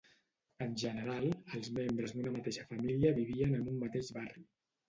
En general, els membres d'una mateixa família vivien en un mateix barri.